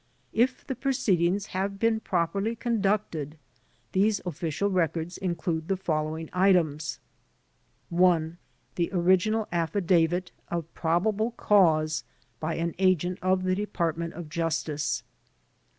If the proceedings have been properly conducted these official records include the following items : 1. The original affidavit of probable cause by an agent of the Department of Justice.